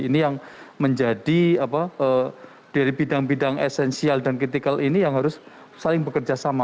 ini yang menjadi dari bidang bidang esensial dan kritikal ini yang harus saling bekerja sama